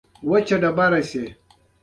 زړو کسانو به د آرام ژوند هیله لرله.